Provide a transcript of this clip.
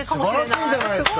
素晴らしいじゃないですか。